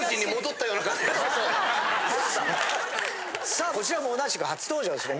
さあこちらも同じく初登場ですね